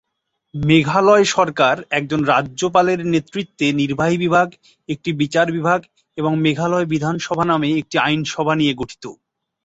মেঘালয় সরকার একজন রাজ্যপালের নেতৃত্বে নির্বাহী বিভাগ, একটি বিচার বিভাগ এবং মেঘালয় বিধানসভা নামে একটি আইনসভা নিয়ে গঠিত।